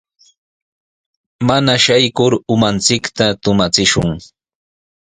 Mana shaykur umanchikta tumachishun.